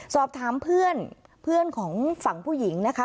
สอบถามเพื่อนเพื่อนของฝั่งผู้หญิงนะคะ